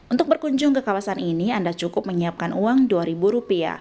untuk berkunjung ke kawasan ini anda cukup menyiapkan uang rp dua